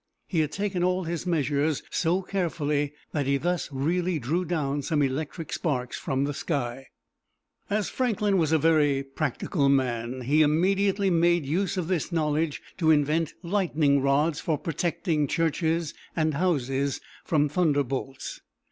He had taken all his measures so carefully that he thus really drew down some electric sparks from the sky. As Franklin was a very practical man, he immediately made use of this knowledge to invent lightning rods for protecting churches and houses from thunderbolts.